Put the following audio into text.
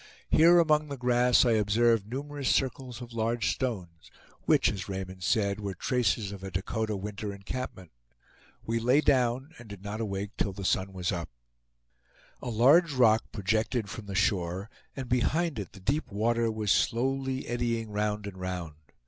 Here among the grass I observed numerous circles of large stones, which, as Raymond said, were traces of a Dakota winter encampment. We lay down and did not awake till the sun was up. A large rock projected from the shore, and behind it the deep water was slowly eddying round and round.